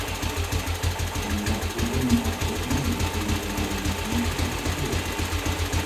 ئۇنداق ئۇزۇن يوقاپ كەتمەي، تېمىلىرىڭىزنى سۇنۇپ تۇرغايسىز.